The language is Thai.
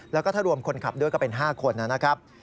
แล้วก็ถ้ารวมคนขับด้วยก็เป็น๕คนนะครับ